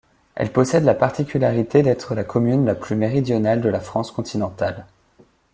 Elle possède la particularité d’être la commune la plus méridionale de la France continentale.